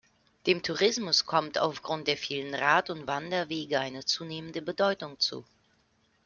Dem Tourismus kommt aufgrund der vielen Rad- und Wanderwege eine zunehmende Bedeutung zu.